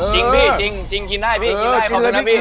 จริงพี่จริงกินได้พี่นะพี่